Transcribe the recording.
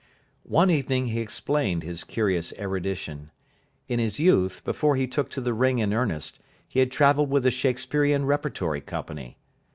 One evening he explained his curious erudition. In his youth, before he took to the ring in earnest, he had travelled with a Shakespearean repertory company.